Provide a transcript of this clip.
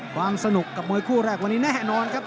ความสนุกกับมวยคู่แรกวันนี้แน่นอนครับ